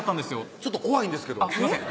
ちょっと怖いんですけどあっすいません